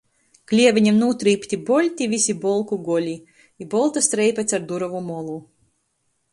Klieveņam nūtrīpti bolti vysi bolku goli i bolta streipe car durovu molu.